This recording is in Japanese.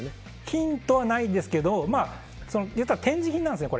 ヒントはないですけど言ったら展示品なんですね